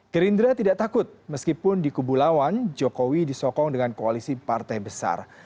gerindra tidak takut meskipun dikubulawan jokowi disokong dengan koalisi partai besar